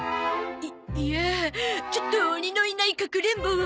いいやあちょっと鬼のいないかくれんぼを。